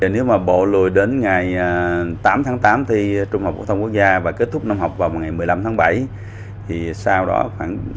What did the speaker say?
nếu mà bộ lùi đến ngày tám tháng tám thì trung học bộ thông quốc gia và kết thúc năm học vào ngày một mươi năm tháng bảy